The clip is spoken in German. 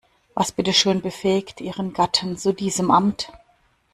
Was bitte schön befähigt ihren Gatten zu diesem Amt?